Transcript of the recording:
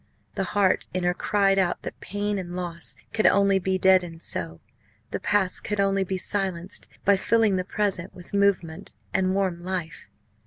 The heart in her cried out that pain and loss could only be deadened so the past could only be silenced by filling the present with movement and warm life.